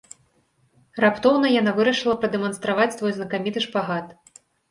Раптоўна яна вырашыла прадэманстраваць свой знакаміты шпагат.